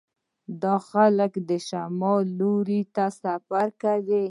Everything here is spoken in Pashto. دا خلک د شمال لور ته سفر کوي